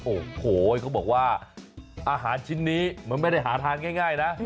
โอ้โหเขาบอกว่าอาหารชิ้นนี้มันไม่ได้หาทานง่ายนะ